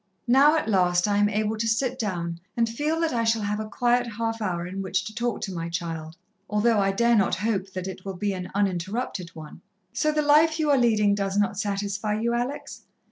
"Now at last I am able to sit down and feel that I shall have a quiet half hour in which to talk to my child, although I dare not hope that it will be an uninterrupted one! "So the life you are leading does not satisfy you, Alex?